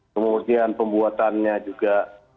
kemungkinan pembuatannya juga